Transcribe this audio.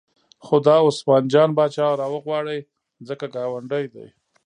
خو دا عثمان جان پاچا راوغواړئ ځکه ګاونډی دی.